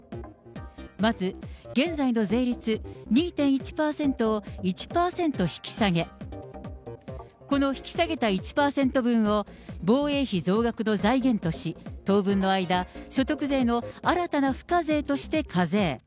まず、現在の税率２．１％を１％引き下げ、この引き下げた１％分を、防衛費増額の財源とし、当分の間、所得税の新たな付加税として課税。